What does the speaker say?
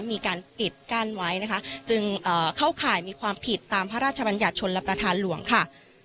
มีการปิดกั้นไว้นะคะจึงเข้าข่ายมีความผิดตามพระราชบัญญัติชนรับประธานหลวงค่ะ